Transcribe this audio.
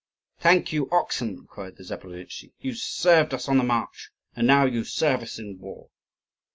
"Thank you, oxen!" cried the Zaporozhtzi; "you served us on the march, and now you serve us in war."